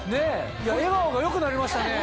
笑顔が良くなりましたね。